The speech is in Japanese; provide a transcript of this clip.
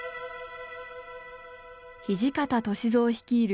土方歳三率いる